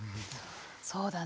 そうだね。